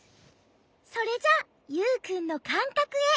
それじゃユウくんのかんかくへ。